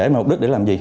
mục đích để làm gì